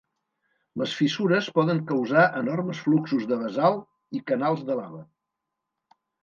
Les fissures poden causar enormes fluxos de basalt i canals de lava.